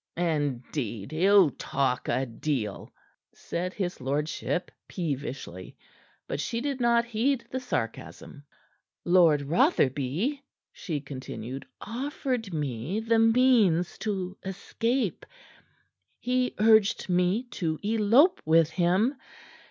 "Indeed, you talk a deal," said his lordship peevishly. But she did not heed the sarcasm. "Lord Rotherby," she continued, "offered me the means to escape. He urged me to elope with him.